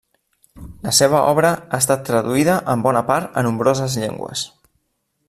La seva obra ha estat traduïda en bona part a nombroses llengües.